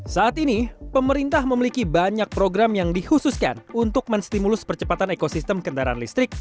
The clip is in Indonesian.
saat ini pemerintah memiliki banyak program yang dikhususkan untuk menstimulus percepatan ekosistem kendaraan listrik